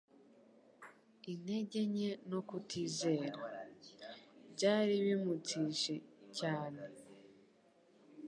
intege nke no kutizera. Byari bimunthije cyane